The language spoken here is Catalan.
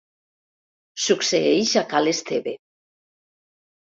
Succeeix a ca l'Esteve.